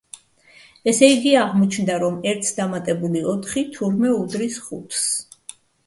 ესე იგი, აღმოჩნდა, რომ ერთს დამატებული ოთხი, თურმე უდრის ხუთს.